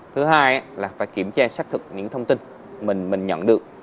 thứ hai là phải kiểm tra xác thực những thông tin mình mình nhận được